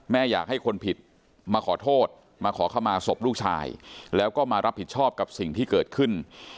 อยากให้คนผิดมาขอโทษมาขอเข้ามาศพลูกชายแล้วก็มารับผิดชอบกับสิ่งที่เกิดขึ้น